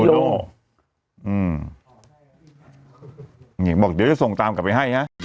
นี่บอกเดี๋ยวจะส่งตามกลับไปให้นะ